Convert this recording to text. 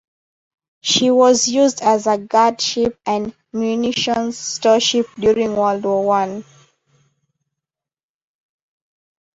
She was used as a guard ship and munitions storeship during World War One.